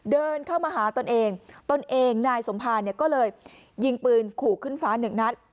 เดินเข้ามาหาตนเองตนเองนายสมภารเนี่ยก็เลยยิงปืนขู่ขึ้นฟ้าหนึ่งนัด